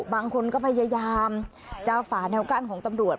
บางคนก็พยายามจะฝาแนวกั้นของตำรวจ